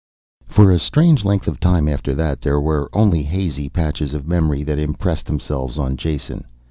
For a strange length of time after that, there were only hazy patches of memory that impressed themselves on Jason.